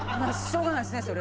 しょうがないっすね。